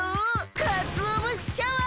かつおぶしシャワー！